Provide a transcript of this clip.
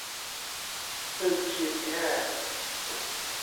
ซึ่งฉีดแค่